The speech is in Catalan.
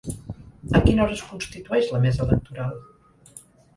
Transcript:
A quina hora es constitueix la mesa electoral?